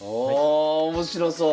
あ面白そう。